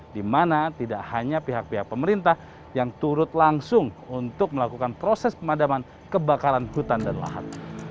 di mana tidak hanya pihak pihak pemerintah yang turut langsung untuk melakukan proses pemadaman kebakaran hutan dan lahan